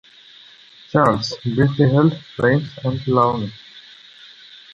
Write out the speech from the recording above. Charles briefly held Rheims and Laon.